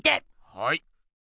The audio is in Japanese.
はい。